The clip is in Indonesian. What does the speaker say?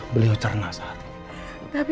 beliau cerna saat ini